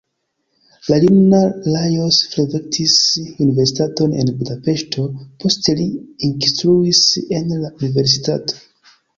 La juna Lajos frekventis universitaton en Budapeŝto, poste li ekinstruis en la universitato.